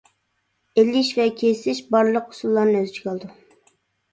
ئېلىش ۋە كېسىش بارلىق ئۇسۇللارنى ئۆز ئىچىگە ئالىدۇ.